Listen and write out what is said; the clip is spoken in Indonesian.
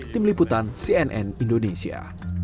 tim liputan cnn indonesia